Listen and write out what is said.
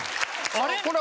あれ？